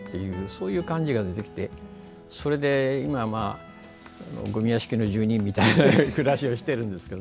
そういう感じが出てきて今、ごみ屋敷の住人みたいな暮らしをしてるんですね。